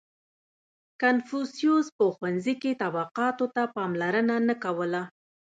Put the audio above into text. • کنفوسیوس په ښوونځي کې طبقاتو ته پاملرنه نه کوله.